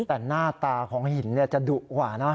แต่หน้าตาของหินจะดุกว่านะ